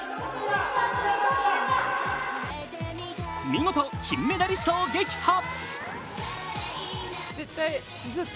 見事、金メダリストを撃破。